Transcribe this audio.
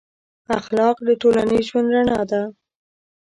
اخلاق د ټولنیز ژوند رڼا ده.